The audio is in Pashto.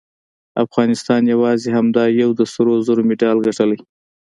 افغانستان یواځې همدا یو د سرو زرو مډال ګټلی